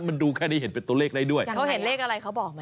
มันดูแค่นี้เห็นเป็นตัวเลขได้ด้วยอย่างเขาเห็นเลขอะไรเขาบอกไหม